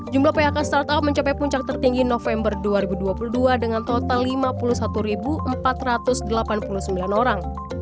jumlah phk startup mencapai puncak tertinggi november dua ribu dua puluh dua dengan total lima puluh satu empat ratus delapan puluh sembilan orang